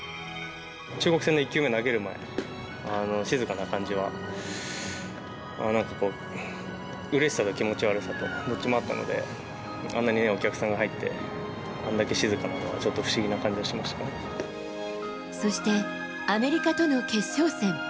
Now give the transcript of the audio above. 中国戦の１球目投げる前、静かな感じは、なんかこう、うれしさと気持ち悪さと、どっちもあったので、あんなにお客さんが入ってあんだけ静かなのは不思議な感じがしまそしてアメリカとの決勝戦。